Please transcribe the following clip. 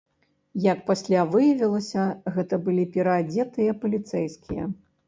Як пасля выявілася, гэта былі пераадзетыя паліцэйскія.